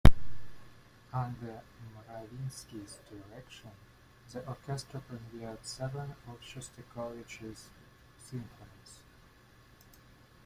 Under Mravinsky's direction, the Orchestra premiered seven of Shostakovich's Symphonies.